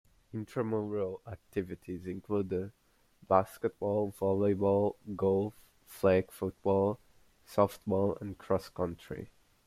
Intramural activities include basketball, volleyball, golf, flag football, softball and cross country.